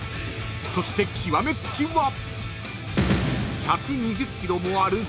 ［そして極め付きは］